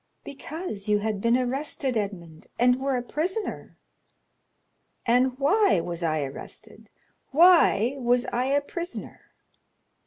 40231m "Because you had been arrested, Edmond, and were a prisoner." "And why was I arrested? Why was I a prisoner?"